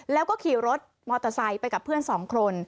แล้วก็ขี่รถมอเตอร์ไซค์ไปกับเพื่อนสองคน